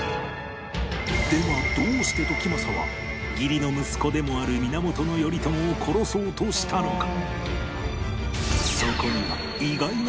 ではどうして時政は義理の息子でもある源頼朝を殺そうとしたのか？